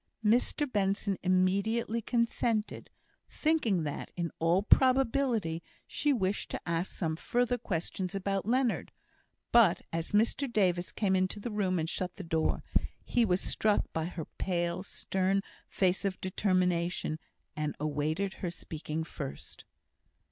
Mr Benson immediately consented, thinking that, in all probability, she wished to ask some further questions about Leonard; but as Mr Davis came into the room, and shut the door, he was struck by her pale, stern face of determination, and awaited her speaking first.